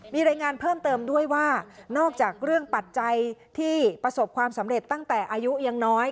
มีรายงานเพิ่มเติมด้วยว่านอกจากเรื่องปัจจัยที่ประสบความสำเร็จตั้งแต่อายุยังน้อย